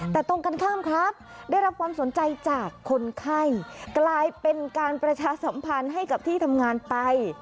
แต่ตรงกันข้ามครับได้รับความสนใจจากคนไข้กลายเป็นการประชาสัมพันธ์ให้กับที่ทำงานไป